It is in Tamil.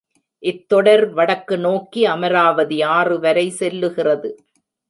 இத் தொடர் வடக்கு நோக்கி அமராவதி ஆறுவரை செல்லுகிறது.